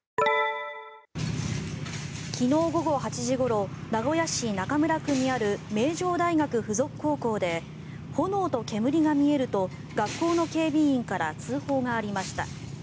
昨日午後８時ごろ名古屋市中村区にある名城大学附属高校で炎と煙が見えると学校の警備員から通報がありました。